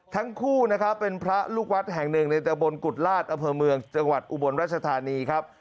ทั้งคู่นะครับเป็นพระลูกวัดแห่งหนึ่งในตะบนกุฎลาศอำเภอเมืองจังหวัดอุบลราชธานีครับ